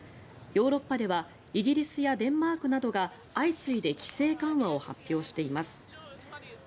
ヨーロッパではイギリスやデンマークなどが相次いで規制緩和を発表しています。